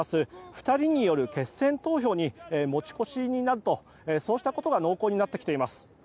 ２人による決選投票に持ち越しになるとそうしたことが濃厚になってきています。